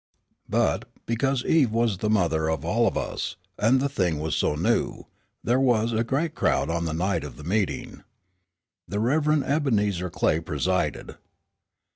But, because Eve was the mother of all of us and the thing was so new, there was a great crowd on the night of the meeting. The Rev. Ebenezer Clay presided.